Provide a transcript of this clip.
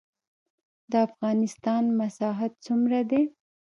د افغانستان مساحت څومره دی؟